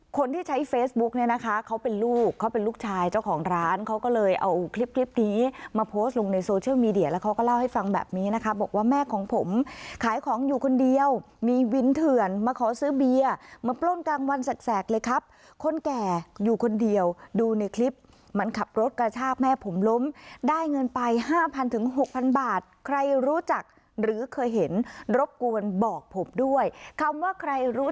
คนที่ใช้เฟซบุ๊คเนี่ยนะคะเขาเป็นลูกเขาเป็นลูกชายเจ้าของร้านเขาก็เลยเอาคลิปนี้มาโพสต์ลงในโซเชียลมีเดียแล้วเขาก็เล่าให้ฟังแบบนี้นะคะบอกว่าแม่ของผมขายของอยู่คนเดียวมีวินเถื่อนมาขอซื้อเบียร์มาปล้นกลางวันแสกเลยครับคนแก่อยู่คนเดียวดูในคลิปมันขับรถกระชากแม่ผมล้มได้เงินไป๕๐๐๐๖๐๐๐บาทใคร